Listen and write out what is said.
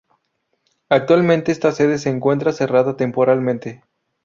Actualmente esta sede se encuentra cerrada temporalmente.